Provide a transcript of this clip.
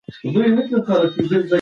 خپله ژبه بايد هېره نکړو.